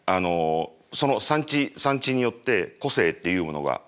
その産地産地によって個性っていうものがありますよね。